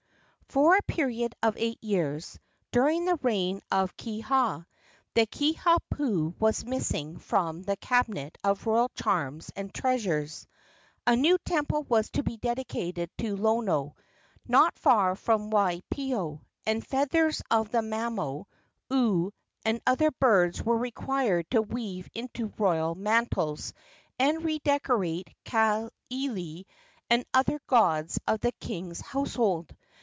For a period of eight years, during the reign of Kiha, the Kiha pu was missing from the cabinet of royal charms and treasures. A new temple was to be dedicated to Lono, not far from Waipio, and feathers of the mamo, oo and other birds were required to weave into royal mantles and redecorate Kaili and other gods of the king's household.